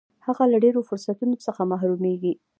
هغه له ډېرو فرصتونو څخه محرومیږي.